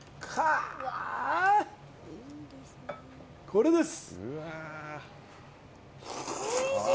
これです！